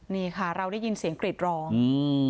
นี่ค่ะเราได้ยินเสียงกรีดร้องอืม